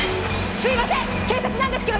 すいません。